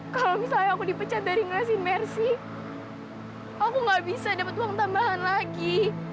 kalau misalnya aku dipecat dari ngasihin mercy aku nggak bisa dapet uang tambahan lagi